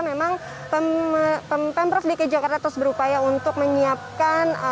memang pemprov dki jakarta terus berupaya untuk menyiapkan